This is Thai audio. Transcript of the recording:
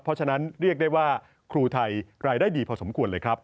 เพราะฉะนั้นเรียกได้ว่าครูไทยรายได้ดีพอสมควรเลยครับ